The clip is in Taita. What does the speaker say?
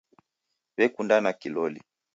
W'ekundana kiloli